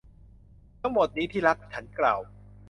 ทั้งหมดนี้ ที่รัก ฉันกล่าว